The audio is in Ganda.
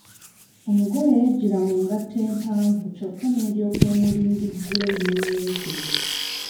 Omugole yajjira mu ngatto empavu kyokka n'eryoka emulindiggula ennume y'ekigwo.